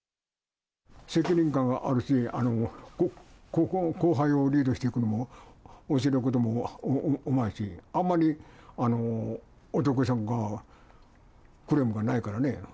責任感あるし、後輩をリードしていくのも、教えることもうまいし、あんまりお得意さんからのクレームがないからね。